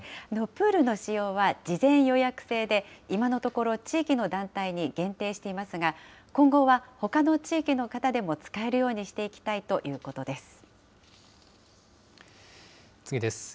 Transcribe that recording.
プールの使用は事前予約制で、今のところ、地域の団体に限定していますが、今後はほかの地域の方でも使えるようにしていきたいということで次です。